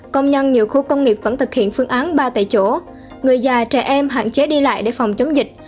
công nhân nhiều khu công nghiệp vẫn thực hiện phương án ba tại chỗ người già trẻ em hạn chế đi lại để phòng chống dịch